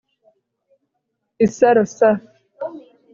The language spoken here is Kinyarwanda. isaro s